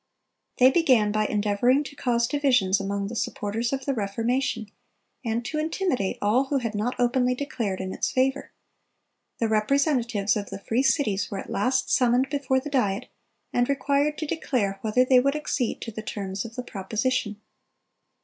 They began by endeavoring to cause divisions among the supporters of the Reformation, and to intimidate all who had not openly declared in its favor. The representatives of the free cities were at last summoned before the Diet, and required to declare whether they would accede to the terms of the proposition.